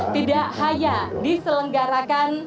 tidak hanya diselenggarakan